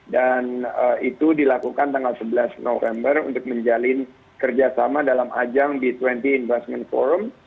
dan itu dilakukan tanggal sebelas november untuk menjalin kerjasama dalam ajang b dua puluh investment forum